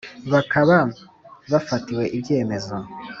Bakaba bafatiwe ibyemezo.